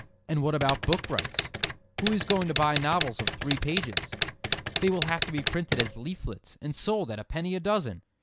And what about book rights? Who is going to buy novels of three pages? They will have to be printed as leaflets and sold at a penny a dozen.